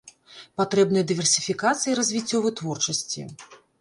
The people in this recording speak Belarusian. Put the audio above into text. Патрэбная дыверсіфікацыя і развіццё вытворчасці.